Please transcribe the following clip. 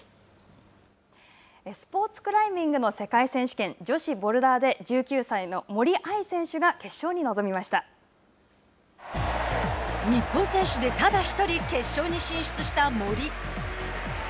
スポーツクライミングの世界選手権女子ボルダーで１９歳の森秋彩選手が日本選手でただ１人決勝に進出した森。